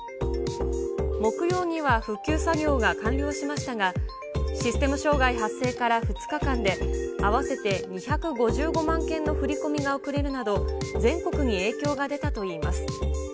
木曜には復旧作業が完了しましたが、システム障害発生から２日間で、合わせて２５５万件の振り込みが遅れるなど、全国に影響が出たといいます。